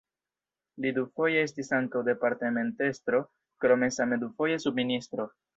Li dufoje estis ankaŭ departementestro, krome same dufoje subministro.